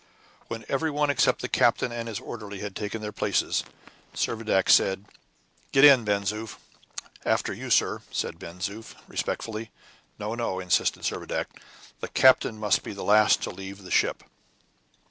When every one, except the captain and his orderly, had taken their places, Servadac said, "Get in, Ben Zoof." "After you, sir," said Ben Zoof, respectfully. "No, no!" insisted Servadac; "the captain must be the last to leave the ship!"